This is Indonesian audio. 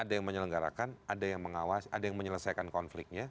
ada yang menyelenggarakan ada yang mengawasi ada yang menyelesaikan konfliknya